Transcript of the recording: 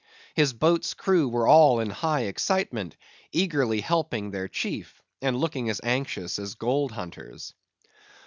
His boat's crew were all in high excitement, eagerly helping their chief, and looking as anxious as gold hunters.